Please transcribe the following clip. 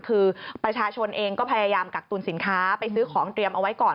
คือประชาชนเองก็พยายามกักตุลสินค้าไปซื้อของเตรียมเอาไว้ก่อน